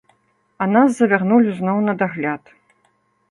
А нас завярнулі зноў на дагляд.